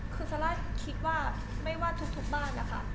คือซาร่าคิดว่าไม่ว่าทุกบ้านนะคะ